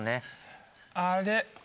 あれ？